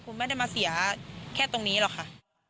คุณไม่ได้มาเสียแค่ตรงนี้หรอกค่ะ